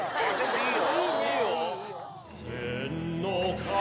いいよ！